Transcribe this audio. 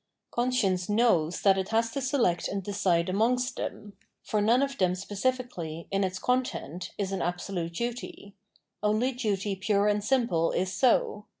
Conscience knows that it bas to select and decide amongst them ; for none of them specifically, in its content, is an absolute duty ; only duty pure and simple is so.